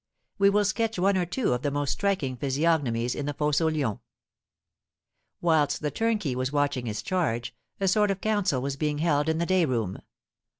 We will sketch one or two of the most striking physiognomies in the Fosse aux Lions. Whilst the turnkey was watching his charge, a sort of council was being held in the day room.